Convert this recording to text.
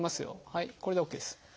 はいこれでＯＫです。